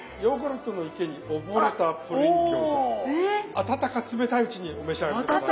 温か冷たいうちにお召し上がり下さい。